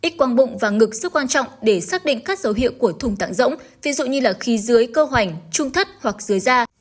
x quang bụng và ngực sức quan trọng để xác định các dấu hiệu của thùng tạng rỗng ví dụ như là khí dưới cơ hoành trung thất hoặc dưới da